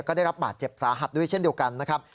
ก็ได้รับบาดเจ็บสาหัสด้วยเช่นเดียวกันนะครับ